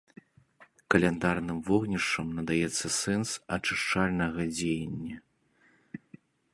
Каляндарным вогнішчам надаецца сэнс ачышчальнага дзеяння.